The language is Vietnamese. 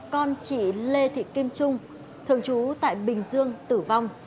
con chị lê thị kim trung thường trú tại bình dương tử vong